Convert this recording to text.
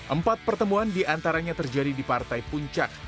empat pertemuan di antaranya terjadi di partai puncak